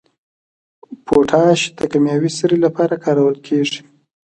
پوټاش د کیمیاوي سرې لپاره کارول کیږي.